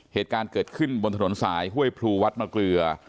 เหตุการณ์เกิดขึ้นบนถนนสายห้วยพลูวัดมะเกลือ